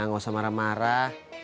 gak usah marah marah